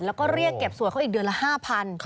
แล้วก็เรียกเก็บสวยเขาอีกเดือนละ๕๐๐บาท